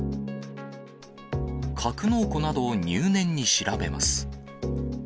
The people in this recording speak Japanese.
格納庫などを入念に調べます。